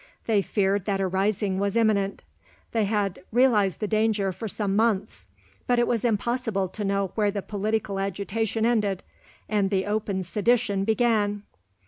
They feared that a rising was imminent; they had realised the danger for some months; but it was impossible to know where the political agitation ended, and the open sedition began.